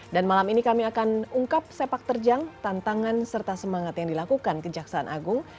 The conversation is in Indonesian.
dan malam ini kami akan ungkap sepak terjang tantangan serta semangat yang dilakukan kejaksaan agung